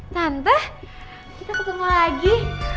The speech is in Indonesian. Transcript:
tante kita ketemu lagi